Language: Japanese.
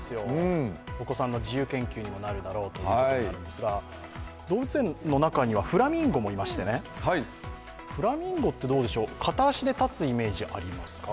お子さんの自由研究にもなるだろうということなんですが動物園の中にはフラミンゴもいまして、フラミンゴって片足で立つイメージありますか。